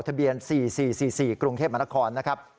ทะเบียน๔๔๔๔กรุงเทพมนครนะครับ